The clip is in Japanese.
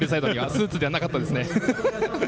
スーツじゃなかったですね。